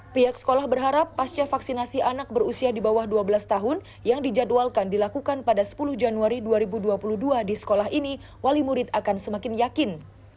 pihak sekolah berharap pasca vaksinasi anak berusia di bawah dua belas tahun yang dijadwalkan dilakukan pada sepuluh januari dua ribu dua puluh dua di sekolah ini wali murid akan semakin yakin